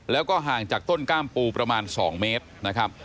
แล้วก็ห่างจากต้นกล้ามปูประมาณ๒เมตรนะครับ